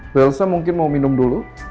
bu ilsa mungkin mau minum dulu